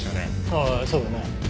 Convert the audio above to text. ああそうだね。